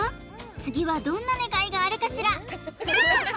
次はどんな願いがあるかしらキャン！